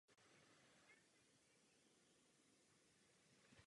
Záměrem předsednictví v žádném případě není od těchto cílů ustupovat.